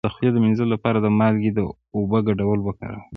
د خولې د مینځلو لپاره د مالګې او اوبو ګډول وکاروئ